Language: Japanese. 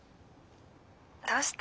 どうして？